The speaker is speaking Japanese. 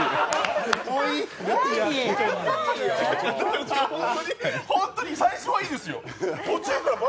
違う違う、本当に最初はいいんですよ。